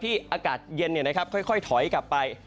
อากาศเย็นค่อยถอยกลับไป